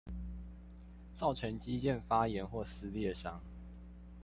造成肌腱發炎或撕裂傷